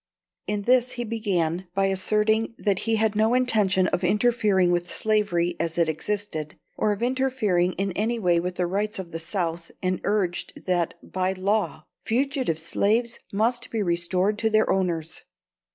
In this he began by asserting that he had no intention of interfering with slavery as it existed, or of interfering in any way with the rights of the South, and urged that, by law, fugitive slaves must be restored to their owners.